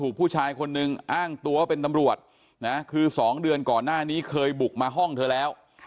คือ๒เดือนก่อนหน้านี้เคยบุกมาห้องเธอแล้ว